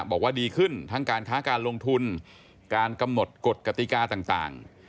บอกว่าดีขึ้นทั้งการค้าการลงทุนการกำหนดกฎกติกาต่าง